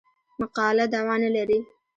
مقاله دعوا نه لري.